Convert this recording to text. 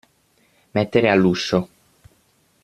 Mettere all'uscio.